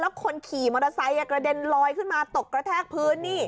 คนขี่มอเตอร์ไซค์กระเด็นลอยขึ้นมาตกกระแทกพื้นนี่